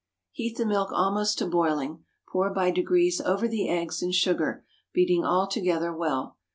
Heat the milk almost to boiling; pour by degrees over the eggs and sugar, beating all together well.